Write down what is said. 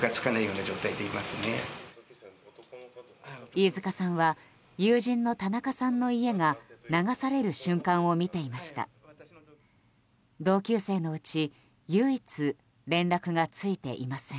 飯塚さんは友人の田中さんの家が流される瞬間を見ていました。